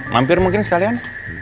mampir mungkin sekalian